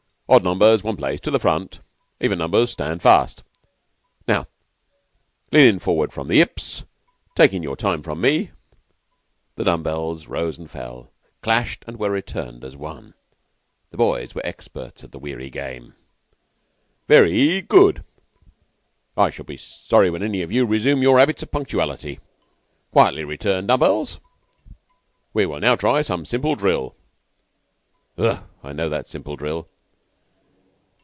Odd numbers one pace to the front. Even numbers stand fast. Now, leanin' forward from the 'ips, takin' your time from me." The dumb bells rose and fell, clashed and were returned as one. The boys were experts at the weary game. "Ve ry good. I shall be sorry when any of you resume your 'abits of punctuality. Quietly return dumb bells. We will now try some simple drill." "Ugh! I know that simple drill."